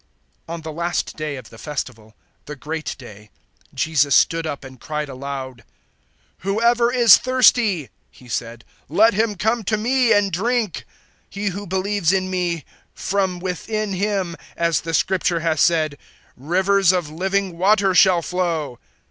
007:037 On the last day of the Festival the great day Jesus stood up and cried aloud. "Whoever is thirsty," He said, "let him come to me and drink. 007:038 He who believes in me, from within him as the Scripture has said rivers of living water shall flow."